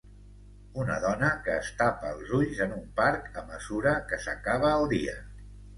Una dona que es tapa els ulls en un parc a mesura que s'acaba el dia